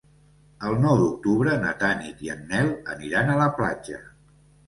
El nou d'octubre na Tanit i en Nel aniran a la platja.